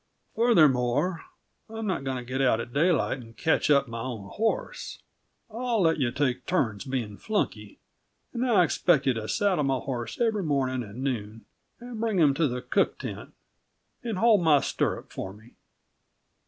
"Furthermore, I'm not going to get out at daylight and catch up my own horse; I'll let yuh take turns being flunky, and I'll expect yuh to saddle my horse every morning and noon, and bring him to the cook tent and hold my stirrup for me.